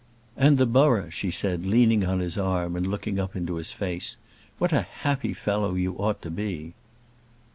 "And the borough," she said, leaning on his arm and looking up into his face. "What a happy fellow you ought to be."